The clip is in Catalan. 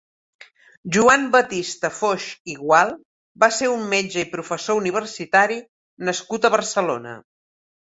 Joan Batista Foix i Gual va ser un metge i professor universitari nascut a Barcelona.